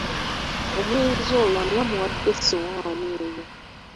Omulenzi oyo ani amuwadde essowaani eyo?